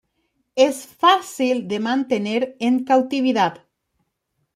Es fácil de mantener en cautividad.